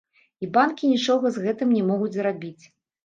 І банкі нічога з гэтым не могуць зрабіць.